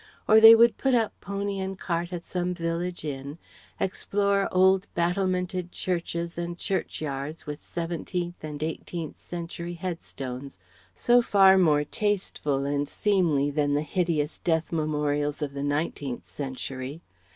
Or they would put up pony and cart at some village inn, explore old battlemented churches and churchyards with seventeenth and eighteenth century headstones, so far more tasteful and seemly than the hideous death memorials of the nineteenth century.